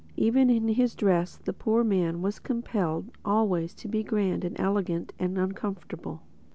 Even in his dress the poor man was compelled always to be grand and elegant and uncomfortable.